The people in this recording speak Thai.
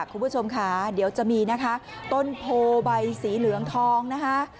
คุณผู้ชมค่ะเดี๋ยวจะมีนะคะต้นโพใบสีเหลืองทองนะคะ